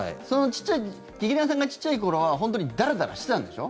劇団さんが小さい頃は本当にダラダラしてたんでしょ？